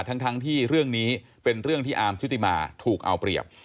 ทั้งที่เรื่องนี้เป็นเรื่องที่อาร์มชุติมาถูกเอาเปรียบ